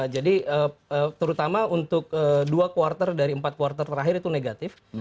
jadi terutama untuk dua kuartal dari empat kuartal terakhir itu negatif